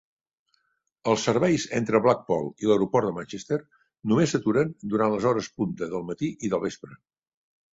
Els serveis entre Blackpool i l'aeroport de Manchester només s'aturen durant les hores punta del matí i del vespre.